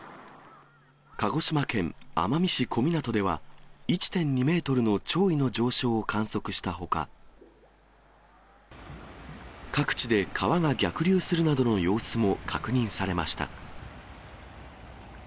鹿児島県奄美市小湊では、１．２メートルの潮位の上昇を観測したほか、各地で川が逆流するなどの様子も確認されました。